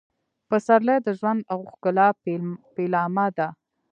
پسرلی د ژوند او ښکلا پیلامه ده.